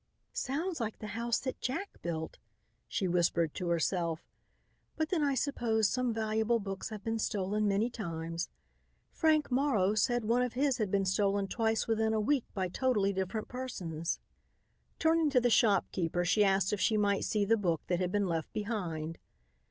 "Sounds like the house that Jack built," she whispered to herself. "But then I suppose some valuable books have been stolen many times. Frank Morrow said one of his had been stolen twice within a week by totally different persons." Turning to the shopkeeper, she asked if she might see the book that had been left behind.